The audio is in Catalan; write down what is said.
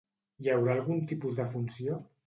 Hi haurà algun tipus de funció?